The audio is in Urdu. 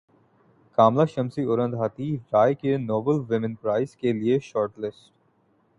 کاملہ شمسی اروندھتی رائے کے ناول ویمن پرائز کیلئے شارٹ لسٹ